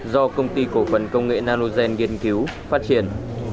do công ty cổ phần công nghệ nanogen nghiên cứu phát triển